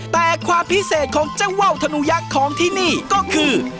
แต่ความพิเศษของเจ้าว่าวธนุยักษ์ของที่นี่ก็คือ